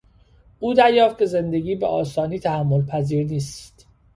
او دریافت که زندگی به آسانی تحمل پذیر نیست.